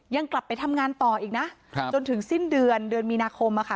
ยังกลับไปทำงานต่ออีกนะจนถึงสิ้นเดือนเดือนมีนาคม